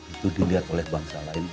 itu dilihat oleh bangsa lain